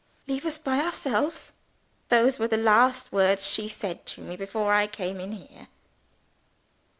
'Leave us by ourselves.' Those were the last words she said to me, before I came in here."